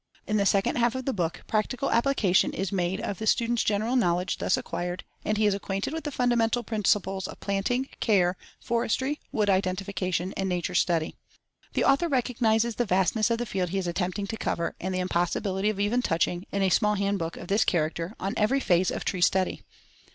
In the second half of the book, practical application is made of the student's general knowledge thus acquired, and he is acquainted with the fundamental principles of planting, care, forestry, wood identification and nature study. The author recognizes the vastness of the field he is attempting to cover and the impossibility of even touching, in a small hand book of this character, on every phase of tree study.